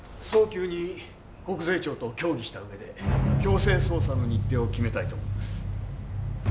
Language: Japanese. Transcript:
早急に国税庁と協議した上で強制捜査の日程を決めたいと思います。